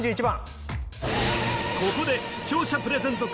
ここで視聴者プレゼント